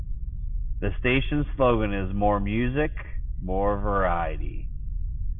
The station's slogan is "More Music, More Variety".